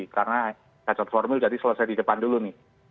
karena kacot formil jadi selesai di depan dulu nih